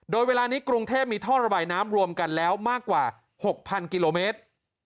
โดยเวลานี้กรุงเทพมีท่อระบายน้ำรวมกันแล้วมากกว่า๖๐๐กิโลเมตร